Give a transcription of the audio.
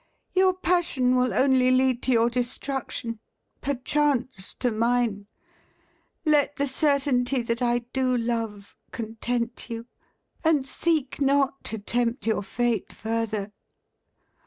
"Your passion will only lead to your destruction perchance to mine. Let the certainty that I do love, content you, and seek not to tempt your fate further."